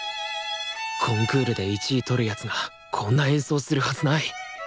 コンクールで１位取る奴がこんな演奏するはずない。